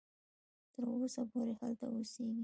تر اوسه پوري هلته اوسیږي.